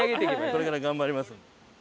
これから頑張ります。